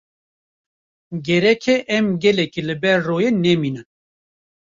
Gerek e em gelekî li ber royê nemînin.